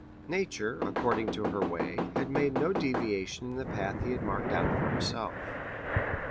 Nature, according to her way, had made no deviation in the path he had marked out for himself.